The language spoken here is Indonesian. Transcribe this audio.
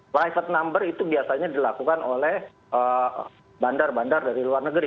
private number itu biasanya dilakukan oleh bandar bandar dari luar negeri